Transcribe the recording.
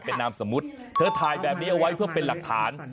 เป็นนามสมมุติเธอถ่ายแบบนี้เอาไว้เพื่อเป็นหลักฐาน